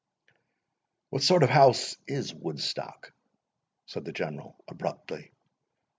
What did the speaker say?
"What sort of a house is Woodstock?" said the General, abruptly.